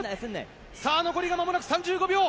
残りがまもなく３５秒。